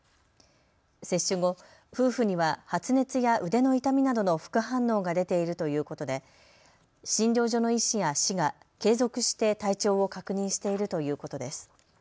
接種後、夫婦には発熱や腕の痛みなどの副反応が出ているということで診療所の医師や市が継続して体調を確認しているということです。